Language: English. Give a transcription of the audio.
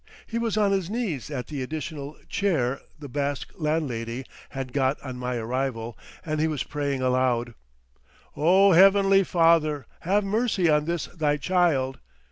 He was on his knees at the additional chair the Basque landlady had got on my arrival, and he was praying aloud, "Oh, Heavenly Father, have mercy on this thy Child...."